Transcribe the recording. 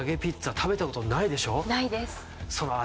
食べた事ないでしょ？